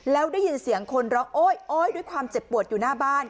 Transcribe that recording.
แล้วได้ยินเสียงคนร้องโอ๊ยโอ๊ยด้วยความเจ็บปวดอยู่หน้าบ้าน